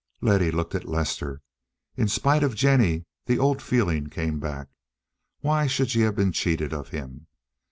Letty looked at Lester. In spite of Jennie, the old feeling came back. Why should she have been cheated of him?